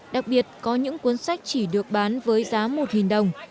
đặc biệt có những cuốn sách chỉ được bán với giá một đồng